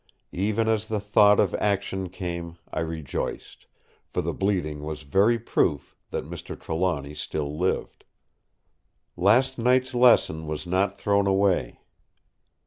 Even as the thought of action came, I rejoiced; for the bleeding was very proof that Mr. Trelawny still lived. Last night's lesson was not thrown away.